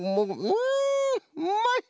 うんうまい！